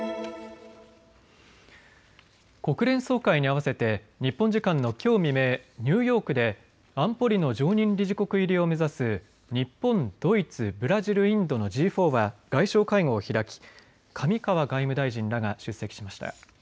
国連総会に合わせて日本時間のきょう未明、ニューヨークで安保理の常任理事国入りを目指す日本、ドイツ、ブラジル、インドのＧ４は外相会合を開き上川外務大臣らが出席しました。